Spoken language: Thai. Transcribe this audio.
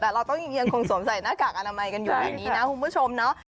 แต่เราต้องยังคงสวมใส่หน้ากากอนามัยกันอยู่แบบนี้นะคุณผู้ชมเนาะ